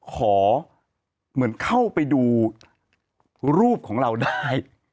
ขอเหมือนเข้าไปดูรูปของเราได้